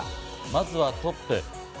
まずはトップ。